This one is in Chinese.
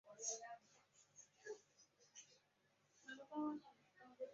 此时的天皇是平安时代之平城天皇与嵯峨天皇。